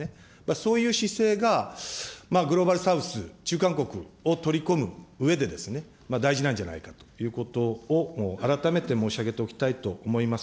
そういう姿勢がグローバル・サウス、中間国を取り込むうえで、大事なんじゃないかということを改めて申し上げておきたいと思います。